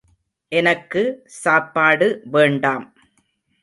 எனக்கு சாப்பாடு வேண்டாம்.